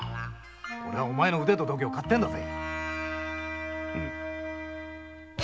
俺はお前の腕と度胸をかってんだぜ。